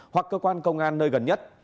hoặc cơ quan công an nơi gần nhất